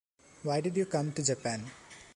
Why did you come to Japan?